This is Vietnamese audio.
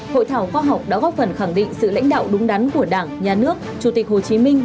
hội thảo khoa học đã góp phần khẳng định sự lãnh đạo đúng đắn của đảng nhà nước chủ tịch hồ chí minh